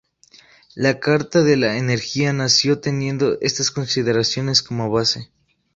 La Carta de la Energía nació teniendo estas consideraciones como base.